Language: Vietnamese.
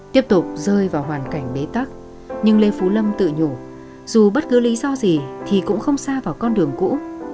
tiếp tục rơi vào hoàn cảnh bế tắc nhưng lê phú lâm tự nhủ dù bất cứ lý do gì thì cũng không xa vào con đường cũ